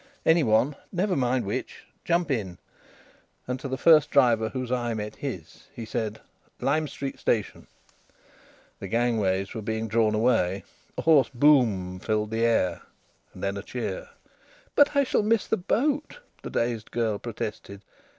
"Any one. Never mind which. Jump in." And to the first driver whose eye met his, he said: "Lime Street Station." The gangways were being drawn away. A hoarse boom filled the air, and then a cheer. "But I shall miss the boat," the dazed girl protested.